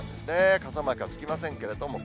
傘マークはつきませんけれども。